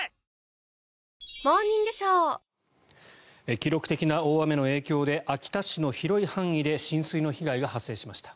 記録的な大雨の影響で秋田市の広い範囲で浸水の被害が発生しました。